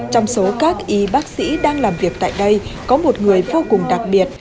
trong số các y bác sĩ đang làm việc tại đây có một người vô cùng đặc biệt